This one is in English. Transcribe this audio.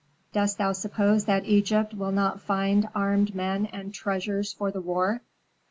Dost thou suppose that Egypt will not find armed men and treasures for the war?